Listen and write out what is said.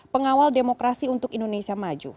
pengawal demokrasi untuk indonesia maju